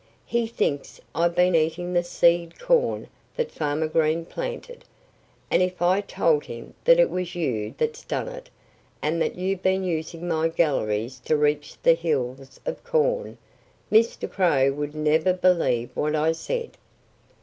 "He thinks I've been eating the seed corn that Farmer Green planted. And if I told him that it was you that's done it, and that you've been using my galleries to reach the hills of corn, Mr. Crow would never believe what I said."